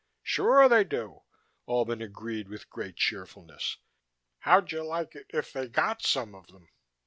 "Sure they do," Albin agreed with great cheerfulness. "How'd you like it if they got some of them?